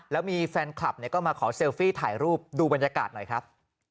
แล้วมีแฟนคลับก็มาขอเซลฟี่ถ่ายรูปดูบรรยากาศหน่อยครับ